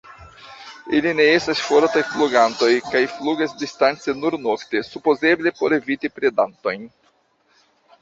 Ili ne estas fortaj flugantoj kaj flugas distance nur nokte, supozeble por eviti predantojn.